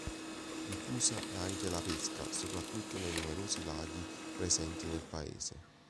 Diffusa è anche la pesca, soprattutto nei numerosi laghi presenti nel Paese.